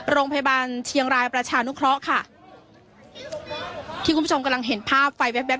โรงพยาบาลเชียงรายประชานุเคราะห์ค่ะที่คุณผู้ชมกำลังเห็นภาพไฟแว๊บ